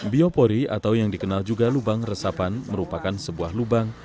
biopori atau yang dikenal juga lubang resapan merupakan sebuah lubang